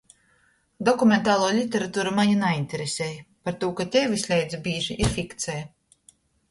Dokumentaluo literatura mane nainteresej, partū ka tei vysleidza bīži ir fikceja.